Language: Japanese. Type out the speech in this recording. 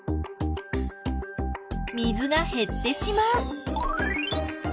水がへってしまう。